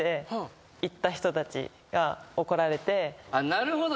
なるほど。